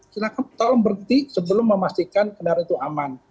silahkan tolong berhenti sebelum memastikan kendaraan itu aman